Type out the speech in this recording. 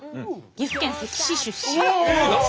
岐阜県関市出身。